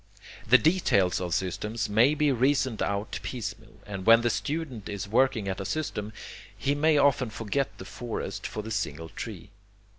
The details of systems may be reasoned out piecemeal, and when the student is working at a system, he may often forget the forest for the single tree.